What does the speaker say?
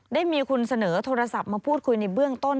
ได้มีคุณเสนอโทรศัพท์มาพูดคุยในเบื้องต้น